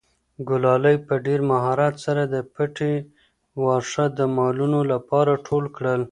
ګلالۍ په ډېر مهارت سره د پټي واښه د مالونو لپاره ټول کړل.